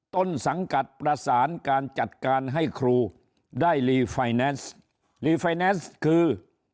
ต้นสังกัดประสานการจัดการให้ครูได้รีไฟแนนซ์รีไฟแนนซ์คือ